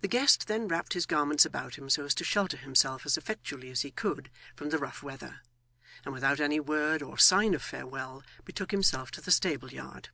The guest then wrapped his garments about him so as to shelter himself as effectually as he could from the rough weather, and without any word or sign of farewell betook himself to the stableyard.